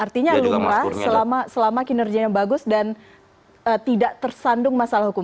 artinya lumrah selama kinerjanya bagus dan tidak tersandung masalah hukum